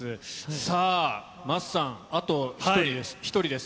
さあ、桝さん、あと１人です。